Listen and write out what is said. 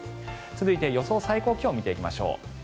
続いて、予想最高気温を見ていきましょう。